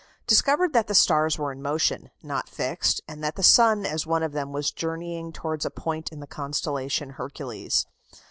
Discovered that the stars were in motion, not fixed, and that the sun as one of them was journeying towards a point in the constellation Hercules.